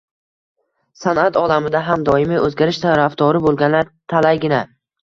San’at olamida ham doimiy o‘zgarish tarafdori bo‘lganlar talaygina